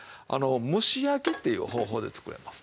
蒸し焼きっていう方法で作れます。